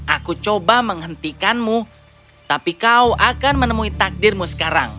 aku coba menghentikanmu tapi kau akan menemui takdirmu sekarang